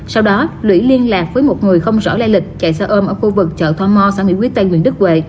sau đó lũy liên lạc với một người không rõ lai lịch chạy xa ôm ở khu vực chợ tho mo xã mỹ quý tây nguyện đức huệ